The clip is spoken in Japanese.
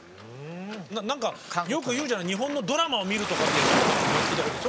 何かよく言うじゃない日本のドラマを見るとかって前に聞いたことある。